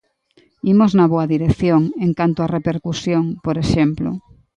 Imos na boa dirección en canto a repercusión, por exemplo.